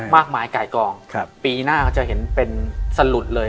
มากมายไก่กองปีหน้าก็จะเห็นเป็นสลุดเลย